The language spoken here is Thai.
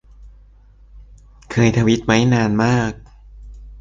เคยทวิตไว้นานมาก